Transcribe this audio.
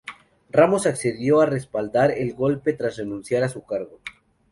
Ramos accedió a respaldar el golpe tras renunciar a su cargo.